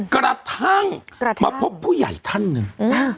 กระทั่งมาพบผู้ใหญ่ท่านหนึ่ง